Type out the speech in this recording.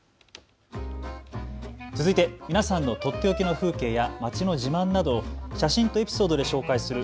続いて皆さんのとっておきの風景や街の自慢などを写真とエピソードを紹介する＃